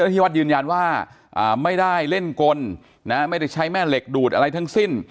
ที่วัดยืนยันว่าไม่ได้เล่นกลไม่ได้ใช้แม่เหล็กดูดอะไรทั้งสิ้น